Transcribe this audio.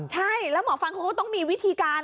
ใช่แล้วหมอฟันพวกเค้าต้องมีวิธีการ